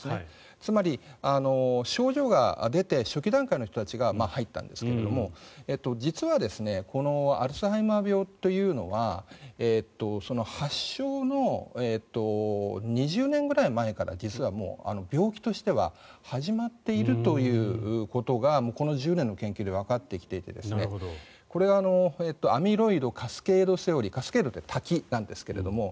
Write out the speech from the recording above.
つまり、症状が出て初期段階の人たちが入ったんですけれども実はこのアルツハイマー病というのは発症の２０年ぐらい前から実は病気としては始まっているということがこの１０年の研究でわかってきていてこれはアミロイドカスケードセオリーカスケードって滝なんですけど。